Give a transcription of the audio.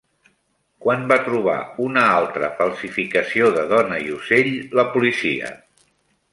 Quan va trobar una altra falsificació de dona i ocell la policia?